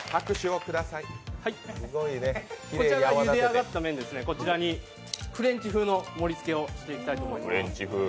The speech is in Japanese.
こちらゆであがった麺ですね、こちらにフレンチ風の盛りつけをしていきたいと思います。